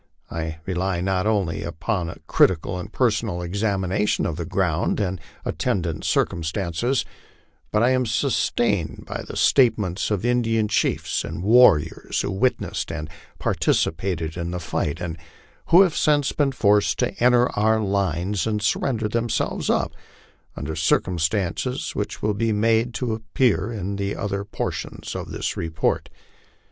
I rely not only upon a critical and personal examination of the ground and attendant circumstances, but am sustained by the statements of Indian chiefs and warriors who witnessed and participated in the fight, and who have since been forced to enter our lines and surrender themselves up, under circumstances which will be made to appear in other portions of this report.